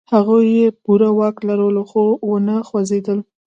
هغوی پوره واک لرلو، خو و نه خوځېدل.